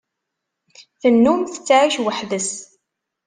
Tennum tettɛic weḥd-s.